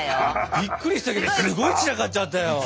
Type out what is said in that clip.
びっくりしたけどすごい散らかっちゃったよ。